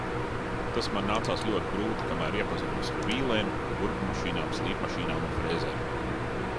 Tas man nācās ļoti grūti, kamēr iepazinos ar vīlēm, urbjmašīnām, slīpmašīnām un frēzēm.